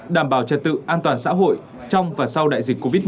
đảm bảo trật tự an toàn xã hội trong và sau đại dịch covid một mươi